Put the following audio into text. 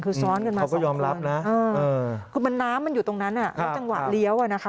คือซ้อนขึ้นมา๒คนมันน้ำอยู่ตรงนั้นจังหวะเลี้ยวนะคะ